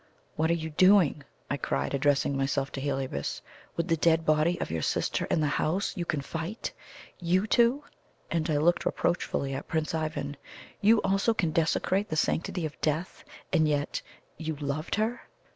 "What are you doing?" I cried, addressing myself to Heliobas. "With the dead body of your sister in the house you can fight! You, too!" and I looked reproachfully at Prince Ivan; "you also can desecrate the sanctity of death, and yet you LOVED her!"